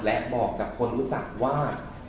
และบอกกับคนรู้จักว่า